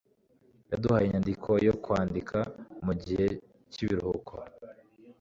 Yaduhaye inyandiko yo kwandika mugihe cyibiruhuko.